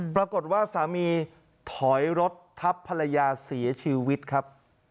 ปรากฏว่าสามีถอยรถทับภรรยาเสียชีวิตครับ